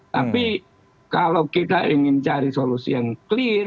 tapi kalau kita ingin cari solusi yang clear